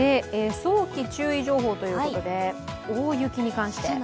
早期注意情報ということで大雪に関して。